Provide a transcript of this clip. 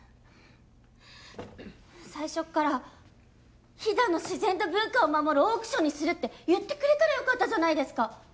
最初から飛騨の自然と文化を守るオークションにするって言ってくれたらよかったじゃないですか。